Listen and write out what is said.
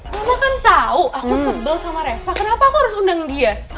mama kan tahu aku sebel sama reva kenapa aku harus undang dia